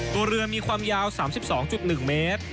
ตัวเรือมีความยาว๓๒๑เมตร